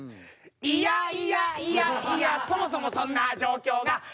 「いやいやいやいやそもそもそんな状況が」